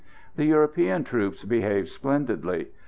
The European troops behaved splendidly.